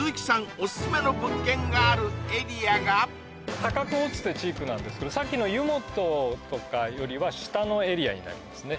オススメの物件があるエリアが高久乙って地区なんですけどさっきの湯本とかよりは下のエリアになりますね